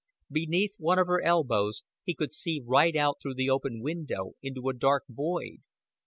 Beneath one of her elbows he could see right out through the open window into a dark void.